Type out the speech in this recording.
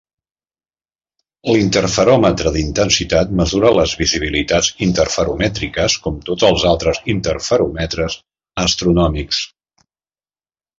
L'interferòmetre d'intensitat mesura les visibilitats interferomètriques com tots els altres interferòmetres astronòmics.